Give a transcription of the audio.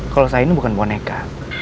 kalau saya ini bukan boneka